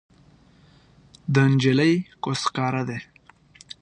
د انجلۍ کوس ښکاره دی